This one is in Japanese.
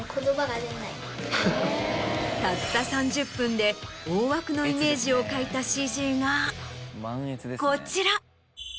たった３０分で大枠のイメージを描いたＣＧがこちら。